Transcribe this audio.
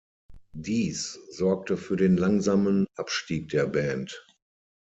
Dies sorgte für den langsamen Abstieg der Band.